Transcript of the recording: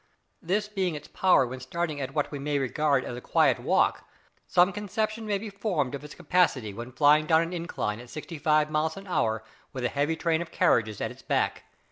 This being its power when starting at what we may regard as a quiet walk, some conception may be formed of its capacity when flying down an incline at sixty five miles an hour with a heavy train of carriages at its back.